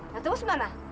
ya terus mana